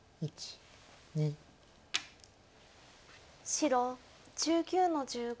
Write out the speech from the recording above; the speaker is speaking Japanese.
白１９の十五。